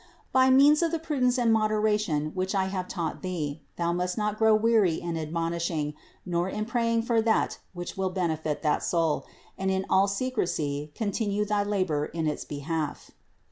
By means of the prudence and moderation which I have taught thee, thou must not grow weary in admonishing, nor in praying for that which will benefit that soul; and in all secrecy THE INCARNATION 213 continue thy labor in its behalf.